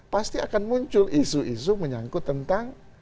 pasti akan muncul isu isu menyangkut tentang